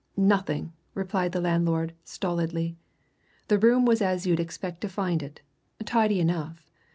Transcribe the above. "Nothing!" replied the landlord stolidly. "The room was as you'd expect to find it; tidy enough.